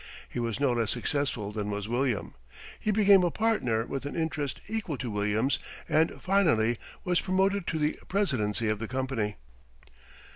He was no less successful than was William. He became a partner with an interest equal to William's, and finally was promoted to the presidency of the company.